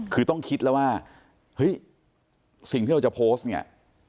คือต้องคิดแล้วว่าเฮ้ยสิ่งที่เราจะโพสต์เนี่ย